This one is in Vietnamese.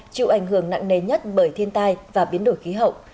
chịu ảnh hưởng nặng nề nhất bởi thiên tai và biến đổi khí hậu